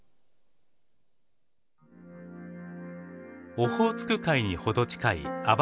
オホーツク海に程近い網走湖。